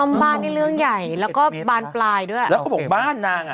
บ้านนี่เรื่องใหญ่แล้วก็บานปลายด้วยอ่ะแล้วเขาบอกบ้านนางอ่ะ